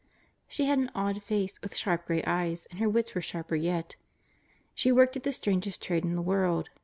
She had an odd face, with sharp gray eyes, and her wits were sharper yet. She worked at the strangest trade in the world.